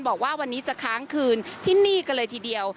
บอกว่าวันนี้จะค้างคืนที่นี่กันเลยทีเดียว